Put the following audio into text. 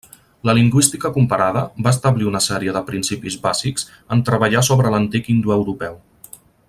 La lingüística comparada va establir una sèrie de principis bàsics en treballar sobre l'antic indoeuropeu.